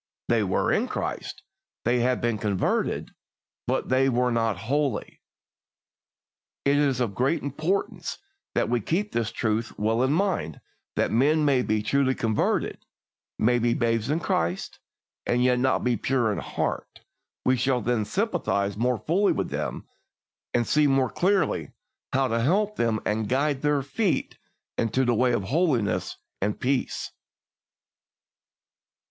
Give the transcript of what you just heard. They were in Christ, they had been converted, but they were not holy. It is of great importance that we keep this truth well in mind that men may be truly converted, may be babes in Christ, and yet not be pure in heart; we shall then sympathise more fully with them, and see the more clearly how to help them and guide their feet into the way of holiness and peace.